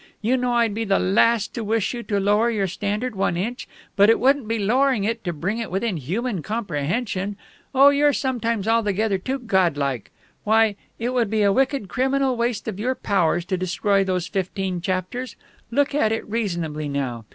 You know I'd be the last to wish you to lower your standard one inch, but it wouldn't be lowering it to bring it within human comprehension. Oh, you're sometimes altogether too godlike!... Why, it would be a wicked, criminal waste of your powers to destroy those fifteen chapters! Look at it reasonably, now.